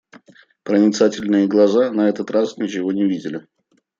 Проницательные глаза на этот раз ничего не видали.